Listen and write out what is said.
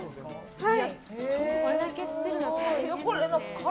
はい。